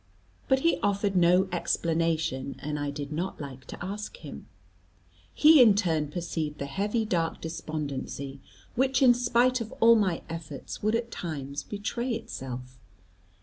But he offered no explanation and I did not like to ask him. He in turn perceived the heavy dark despondency, which, in spite of all my efforts, would at times betray itself.